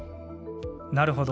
なるほど。